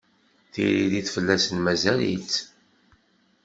Tiririt fell-asen mazal-itt